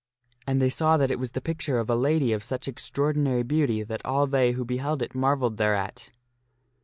And they herCourt > saw that it was the picture of a lady of such extraordinary beauty that all they who beheld it marvelled thereat.